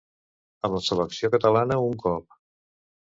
Amb la selecció catalana, un cop.